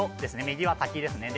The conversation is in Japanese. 右は「滝」ですね